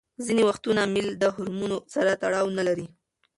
ځینې وختونه میل د هورمونونو سره تړاو نلري.